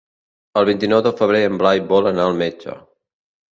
El vint-i-nou de febrer en Blai vol anar al metge.